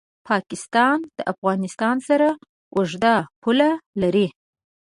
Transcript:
پاکستان د افغانستان سره اوږده پوله لري.